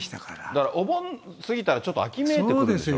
だからお盆過ぎたらちょっと秋めいてくるでしょ。